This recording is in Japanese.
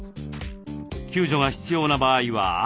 救助が必要な場合は赤。